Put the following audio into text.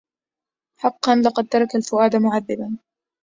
حقا لقد ترك الفؤاد معذبا